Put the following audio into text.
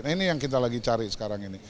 ini yang kita lagi cari sekarang ini